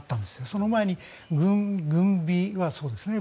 その前に、軍備はそうですね。